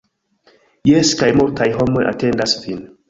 - Jes kaj multaj homoj atendas vin